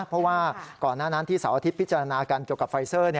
เพราะว่าก่อนหน้านั้นที่เสาร์อาทิตย์พิจารณากันเกี่ยวกับไฟเซอร์